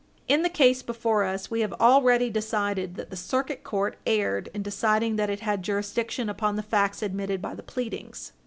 In the case before us, we have already decided that the Circuit Court erred in deciding that it had jurisdiction upon the facts admitted by the pleadings.